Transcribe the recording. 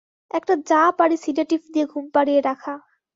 একটা যা পারি সিডেটিভ দিয়ে ঘুম পাড়িয়ে রাখা।